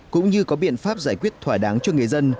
cũng như có biện pháp giải quyết thỏa đáng cho người dân